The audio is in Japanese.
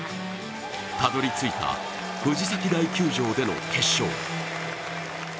たどり着いた藤崎台球場での決勝。